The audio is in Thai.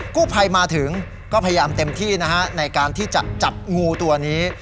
กู้ภัยมาถึงก็พยายามเต็มที่นะฮะในการที่จะจับงูตัวนี้